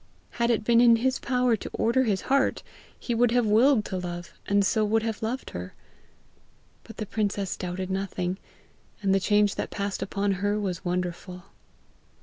Had it been in his power to order his own heart, he would have willed to love, and so would have loved her. But the princess doubted nothing, and the change that passed upon her was wonderful.